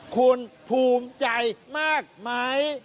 คุณภูมิใจมากไหม